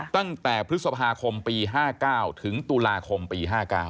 ตั้งแต่พฤษภาคมปี๕๙ถึงตุลาคมปี๕๙